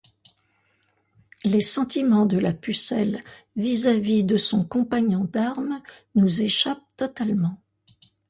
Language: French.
Les sentiments de la Pucelle vis-à-vis de son compagnon d'armes nous échappent totalement.